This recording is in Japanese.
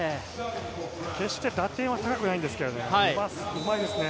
決して打点は高くないんですけど、うまいですね